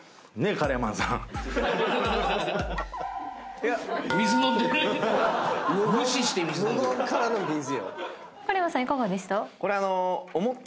カレーマンさんいかがでした？